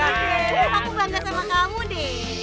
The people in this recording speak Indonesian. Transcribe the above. aku bilang sama kamu deh